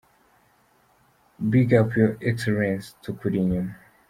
big up your excellence tukuri inyuma.